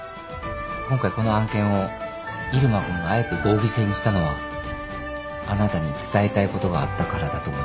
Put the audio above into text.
今回この案件を入間君があえて合議制にしたのはあなたに伝えたいことがあったからだと思いますよ。